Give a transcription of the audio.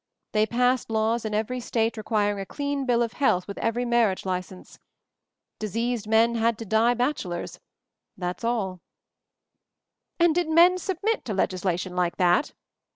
They passed laws in every State requiring a clean bill of health with every marriage license. Diseased men had to die bachelors — that's all." "And did men submit to legislation like that?"